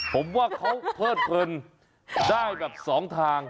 ผมว่าเขาเพิดเพลินได้แบบสองทาง